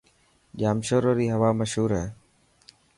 ڄامشوري ري هوا مشهور هي.